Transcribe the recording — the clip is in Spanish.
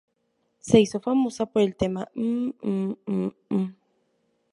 Se hizo famosa por el tema ""Mmm Mmm Mmm Mmm"".